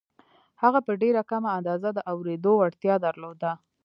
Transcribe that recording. هغه په ډېره کمه اندازه د اورېدو وړتيا درلوده.